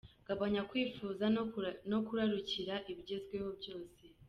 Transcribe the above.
Gabanya kwifuza no kurarikira ibigezweho byose.